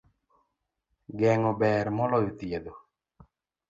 Geng'o ber maloyo thiedho.